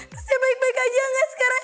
terus dia baik baik aja nggak sekarang